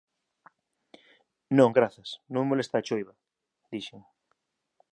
Non, grazas, non me molesta a choiva —dixen.